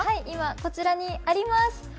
今こちらにあります。